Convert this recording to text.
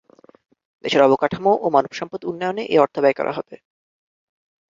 দেশের অবকাঠামো ও মানবসম্পদ উন্নয়নে এ অর্থ ব্যয় করা হবে।